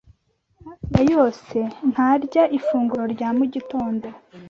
hafi ya yose ntarya ifunguro rya mugitondo.